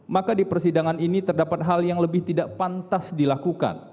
maka di persidangan ini terdapat hal yang lebih tidak pantas dilakukan